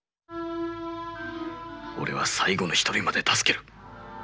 俺は最後の一人まで助ける。